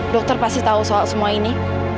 dokter pasti tahu soal semua ini